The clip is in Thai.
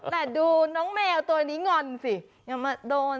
แต่ดูน้องแมวตัวนี้งอนสิยังมาโดน